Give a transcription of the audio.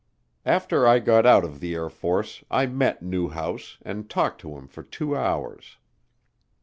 After I got out of the Air Force I met Newhouse and talked to him for two hours.